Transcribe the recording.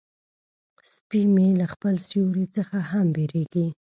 سپي مې له خپل سیوري څخه هم بیریږي.